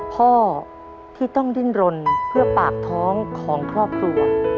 พ่อที่ต้องดิ้นรนเพื่อปากท้องของครอบครัว